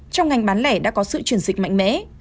trong ngành bán lẻ đã có sự chuyển dịch mạnh mẽ